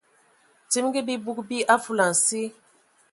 Timigi bibug bi a fulansi.